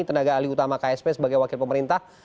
tenaga alih utama ksp sebagai wakil pemerintah